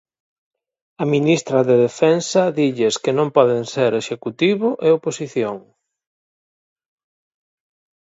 A ministra de Defensa dilles que non poden ser Executivo e oposición.